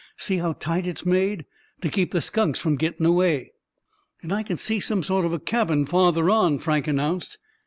"See how tight it's made, to keep the skunks from gettin' away." "And I can see some sort of cabin farther on," Frank announced.